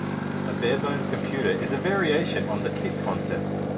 A barebones computer is a variation on the kit concept.